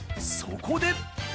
そこで！